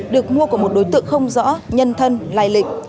được mua của một đối tượng không rõ nhân thân lai lịch